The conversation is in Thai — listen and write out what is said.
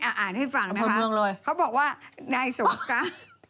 อ่านให้ฟังนะคะเขาบอกว่านายสงกะ